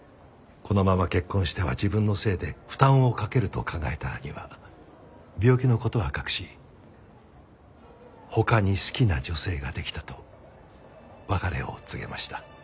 このまま結婚しては自分のせいで負担をかけると考えた兄は病気の事は隠し他に好きな女性ができたと別れを告げました。